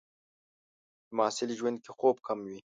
د محصل ژوند کې خوب کم وي.